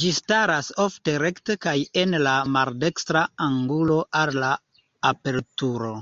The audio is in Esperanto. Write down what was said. Ĝi staras ofte rekte kaj en la maldekstra angulo al la aperturo.